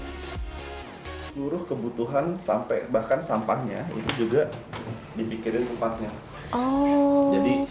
sebelum kembali ke rumah saya saya sudah mengambil alat untuk membangun ruang di dalam ruang ini